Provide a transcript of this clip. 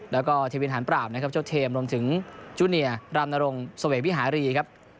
แล้วก็เทวินหารปราบนะครับเจ้าเทมรวมถึงจูเนียรามนรงเสวกวิหารีครับ